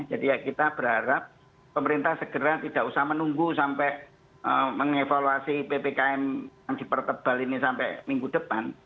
jadi ya kita berharap pemerintah segera tidak usah menunggu sampai mengevaluasi ppkm yang dipertebal ini sampai minggu depan